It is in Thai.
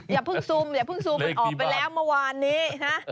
อย่าเพิ่งซูมออกไปแล้วเมื่อวานนี้นะ